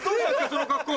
その格好。